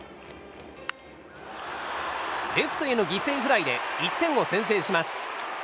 レフトへの犠牲フライで１点を先制します。